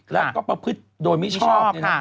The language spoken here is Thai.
และประพฤติโดยมิชอบ